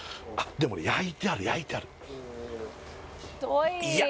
でも焼いてある焼いてあるいや